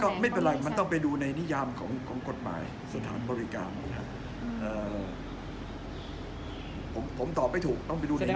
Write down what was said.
ก็ไม่เป็นไรมันต้องไปดูในนิยามของกฎหมายสถานบริการนะครับผมผมตอบไม่ถูกต้องไปดูนะครับ